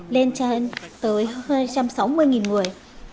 lên trên tới hai trăm sáu mươi người